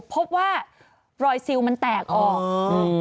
พบว่ารอยซิลมันแตกออกอืม